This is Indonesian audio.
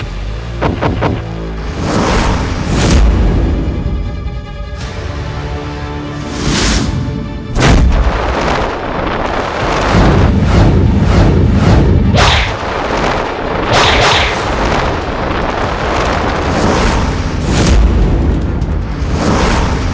aku bukanlah seorang pencuri